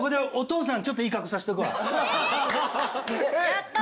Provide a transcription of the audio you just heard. やった！